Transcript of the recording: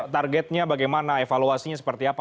targetnya bagaimana evaluasinya seperti apa